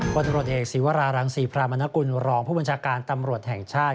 ตำรวจเอกศีวรารังศรีพรามนกุลรองผู้บัญชาการตำรวจแห่งชาติ